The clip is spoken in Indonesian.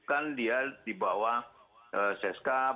bukan dia di bawah sescap